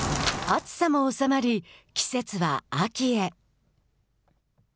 暑さも収まり、季節は秋へ。